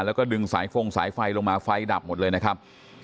แล้วก็ดึงสายฟงสายไฟลงมาไฟดับหมดเลยนะครับ